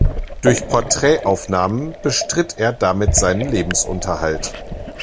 Durch Porträtaufnahmen bestritt er damit seinen Lebensunterhalt.